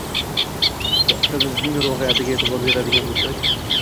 Suhbatimizning ruhiyatiga e’tibor beradigan bo‘lsak